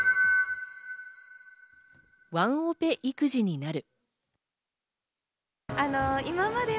ワンオペ育児になる。